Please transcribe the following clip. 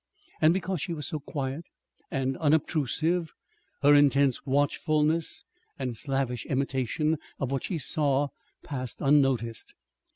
And because she was so quiet and unobtrusive, her intense watchfulness, and slavish imitation of what she saw, passed unnoticed.